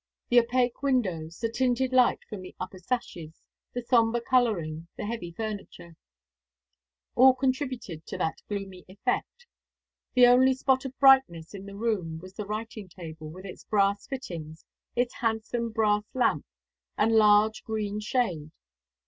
The opaque windows, the tinted light from the upper sashes, the sombre colouring, the heavy furniture all contributed to that gloomy effect. The only spot of brightness in the room was the writing table, with its brass fittings, its handsome brass lamp, and large green shade.